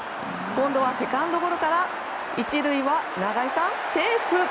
今度はセカンドゴロから１塁は長井さん、セーフ！